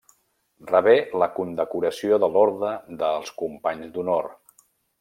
Rebé la condecoració de l'Orde dels Companys d'Honor.